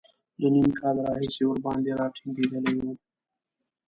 له نیم کال راهیسې ورباندې را ټینګېدلی و.